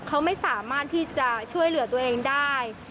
เขาไม่สามารถที่จะช่วยเหลือตัวเองได้